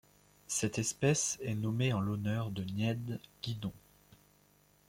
Cette espèce est nommée en l'honneur de Niède Guidon.